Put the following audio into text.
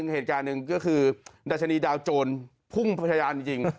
เหตุการณ์หนึ่งก็คือดัชนีดาวโจรพุ่งพัทยานจริง